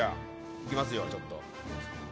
行きますよちょっと。